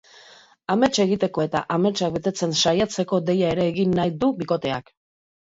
Amets egiteko eta ametsak betetzen saiatzeko deia ere egin nahi du bikoteak.